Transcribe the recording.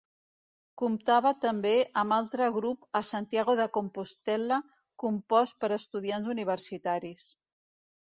Comptava també amb altre grup a Santiago de Compostel·la compost per estudiants universitaris.